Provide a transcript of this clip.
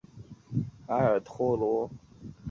克劳斯出生在埃尔托罗。